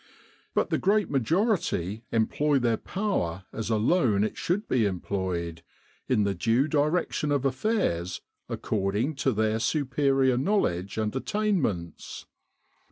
But the great majority employ their power as alone it should be employed in the due direction of affairs according to their superior knowledge and attain ments.